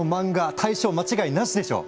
大賞間違いなしでしょう！